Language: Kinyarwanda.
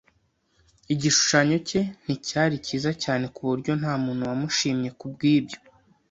Igishushanyo cye nticyari cyiza cyane, kuburyo ntamuntu wamushimye kubwibyo.